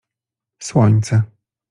Słońce.